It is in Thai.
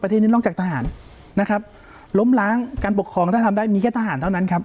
นี้นอกจากทหารนะครับล้มล้างการปกครองถ้าทำได้มีแค่ทหารเท่านั้นครับ